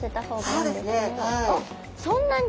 あっそんなに？